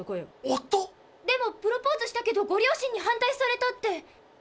夫⁉でも「プロポーズしたけどご両親に反対された」って。